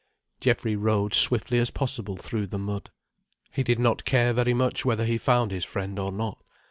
Geoffrey rode swiftly as possible through the mud. He did not care very much whether he found his friend or not.